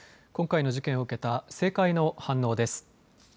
今回の事件を受けた政界の反応です。